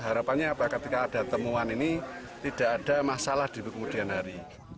harapannya apa ketika ada temuan ini tidak ada masalah di kemudian hari